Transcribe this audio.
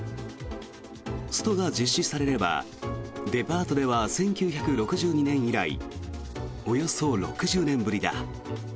ストが実施されればデパートでは１９６２年以来およそ６０年ぶりだ。